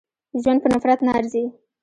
ژوند په نفرت نه ارزي.